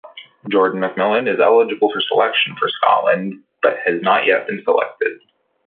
Jordan McMillan is eligible for selection for Scotland but has not yet had been selected.